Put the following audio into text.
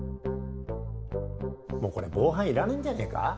もうこれ防犯いらねぇんじゃねぇか？